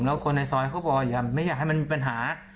แล้วคนในซอยเขาบอกอย่าไม่อยากให้มันมีปัญหา